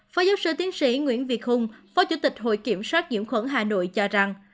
phó giáo sư tiến sĩ nguyễn việt hùng phó chủ tịch hội kiểm soát nhiễm khuẩn hà nội cho rằng